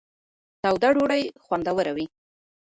توده ډوډۍ خوندوره وي.